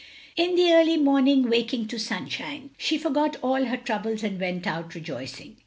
In the early morning, waking to sunshine, she forgot all her troubles and went out rejoicing.